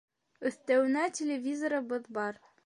Өҫтәүенә, телевизорыбыҙ бар.